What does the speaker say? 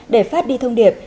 để phát đi thông điệp